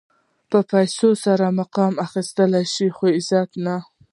په پیسو سره مقام اخيستلی شې خو عزت نه شې.